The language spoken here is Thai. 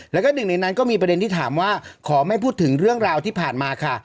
แล้วก็หนึ่งในนั้นก็มีประเด็นที่ถามว่าขอไม่พูดถึงเรื่องราวที่ผ่านมาค่ะ